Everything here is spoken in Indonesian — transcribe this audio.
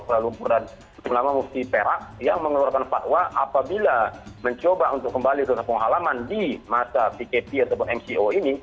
selalu berada selama mufti perak yang mengeluarkan fatwa apabila mencoba untuk kembali ke tempat pengalaman di masa pkp atau mco ini